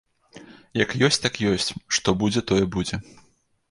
Як ёсць, так ёсць, што будзе, тое будзе.